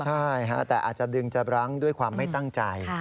ใช่แต่อาจจะดึงจะรั้งด้วยความไม่ตั้งใจ